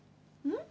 うん。